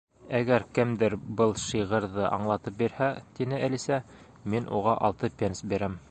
—Әгәр кемдер был шиғырҙы аңлатып бирһә, —тине Әлисә, —мин уға алты пенс бирәм.